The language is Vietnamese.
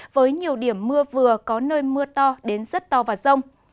với nhiều điểm mưa vừa có nơi mưa to đến rất to và rông